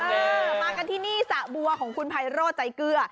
เออมากันที่นี่สระบัวของคุณไพโร่ใจเกลือ